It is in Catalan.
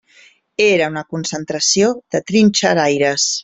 Era una concentració de trinxeraires.